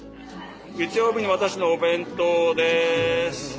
月曜日の私のお弁当です。